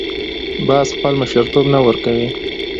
باز خپل مشرتوب نه ورکوي